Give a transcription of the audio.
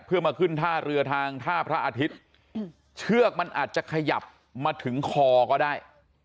เพื่อมาขึ้นท่าเรือทางท่าพระอาทิตย์เชือกมันอาจจะขยับมาถึงคอก็ได้